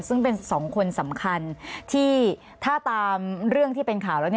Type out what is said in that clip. ซึ่งเป็น๒คนสำคัญที่ถ้าตามเรื่องที่เป็นข่าวแล้ว